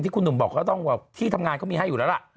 คุณหนุ่มบอกก็ต้องที่ทำงานเขามีให้อยู่แล้วล่ะ